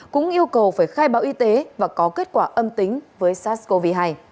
cũng yêu cầu phải khai báo y tế và có kết quả âm tính với sars cov hai